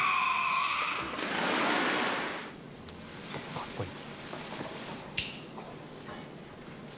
かっこいい。